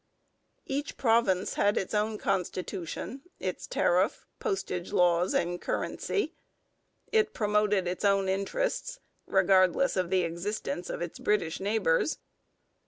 Each province had its own constitution, its tariff, postage laws, and currency. It promoted its own interests, regardless of the existence of its British neighbours.